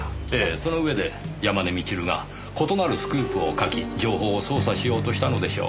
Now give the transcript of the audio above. その上で山根みちるが異なるスクープを書き情報を操作しようとしたのでしょう。